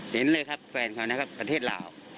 เห็นเลยครับแฟนเขานะครับประเทศลาว